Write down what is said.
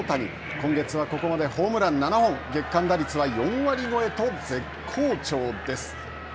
今月はここまでホームラン７本月間打率は４割超えと絶好調です。